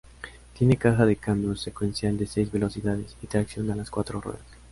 Tiene caja de cambios secuencial de seis velocidades y tracción a las cuatro ruedas.